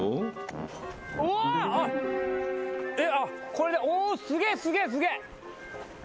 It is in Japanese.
これでおすげえすげえすげえ。